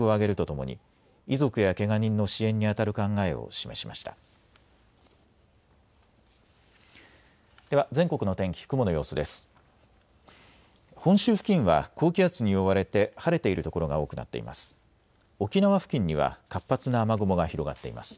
本州付近は高気圧に覆われて晴れている所が多くなっています。